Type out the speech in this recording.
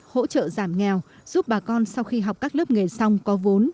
hỗ trợ giảm nghèo giúp bà con sau khi học các lớp nghề xong có vốn